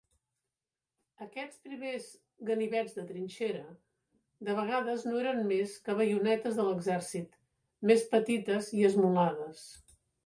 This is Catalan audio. Aquests primers "ganivets de trinxera" de vegades no eren més que baionetes de l'exèrcit, més petites i esmolades.